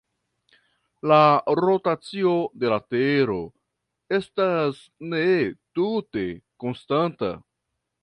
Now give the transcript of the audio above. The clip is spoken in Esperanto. La rotacio de la Tero estas ne tute konstanta.